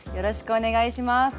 お願いします。